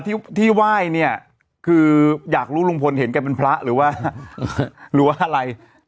ที่ที่ไหว้เนี่ยคืออยากรู้ลุงพลเห็นแกเป็นพระหรือว่าหรือว่าอะไร